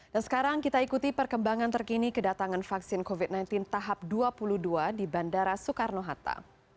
dan sekarang kita ikuti perkembangan terkini kedatangan vaksin covid sembilan belas tahap dua puluh dua di bandara soekarno hatta